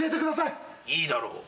いいだろう。